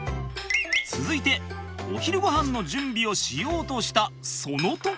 続いてお昼ごはんの準備をしようとしたその時。